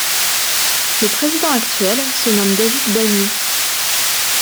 Le Président actuel se nomme David Bagnoud.